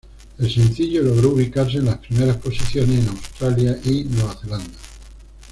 El sencillo logró ubicarse en las primeras posiciones en Australia y Nueva Zelanda.